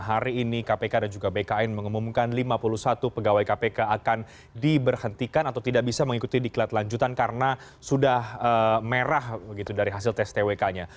hari ini kpk dan juga bkn mengumumkan lima puluh satu pegawai kpk akan diberhentikan atau tidak bisa mengikuti diklat lanjutan karena sudah merah begitu dari hasil tes twk nya